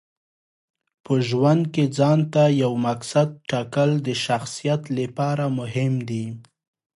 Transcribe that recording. په ژوند کې ځانته یو مقصد ټاکل د شخصیت لپاره مهم دي.